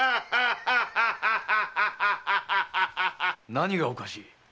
何がおかしい？